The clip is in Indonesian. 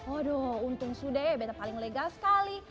aduh untung sudah ya bete paling legal sekali